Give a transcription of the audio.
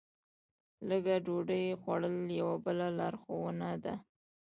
لږه ډوډۍ خوړل یوه بله لارښوونه ده.